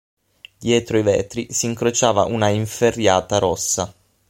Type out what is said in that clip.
Dietro i vetri s'incrociava una inferriata rossa.